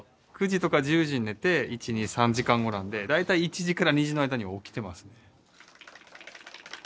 ９時とか１０時に寝て１２３時間後なんで大体１時から２時の間に起きてますね。